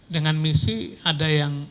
dengan misi ada yang